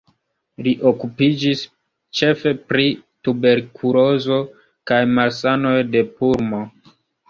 Li okupiĝis ĉefe pri tuberkulozo kaj malsanoj de pulmo.